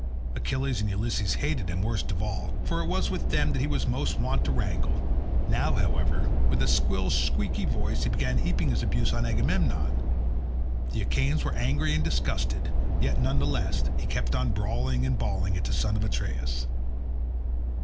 Achilles and Ulysses hated him worst of all, for it was with them that he was most wont to wrangle; now, however, with a shrill squeaky voice he began heaping his abuse on Agamemnon. The Achaeans were angry and disgusted, yet none the less he kept on brawling and bawling at the son of Atreus.